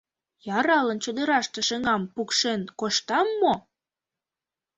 Яралан чодыраште шыҥам пукшен коштам мо?